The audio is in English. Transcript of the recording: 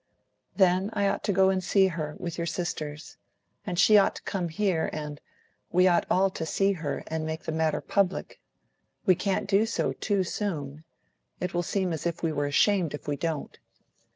"Then I ought to go and see her, with your sisters; and she ought to come here and we ought all to see her and make the matter public. We can't do so too soon. It will seem as if we were ashamed if we don't."